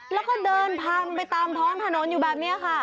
แล้วก็เดินพังไปตามท้องถนนอยู่แบบนี้ค่ะ